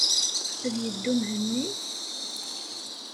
Ad yeddu Mhenni?